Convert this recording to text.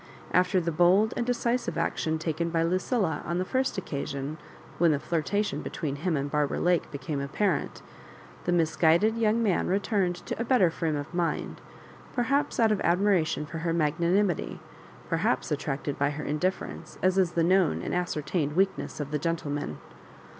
After the bold and de cisive action taken by Lucilla on the first occa sion when the flirtation between him and Bar bara Lake became apparent, the misguided young man returned to a better frame of mind; perhaps out of admiration for her magnanimity, perhaps attracted by her indifference, as is the known and ascertained weakness of the gentlemen.